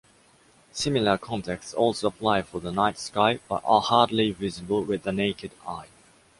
Similar contexts also apply for the night sky but are hardly visible with the naked eye.